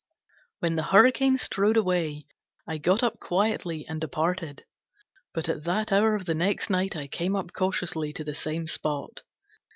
When the Hurricane strode away, I got up quietly and departed, but at that hour of the next night I came up cautiously to the same spot.